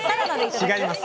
違います